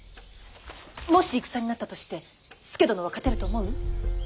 もし戦になったとして佐殿は勝てると思う？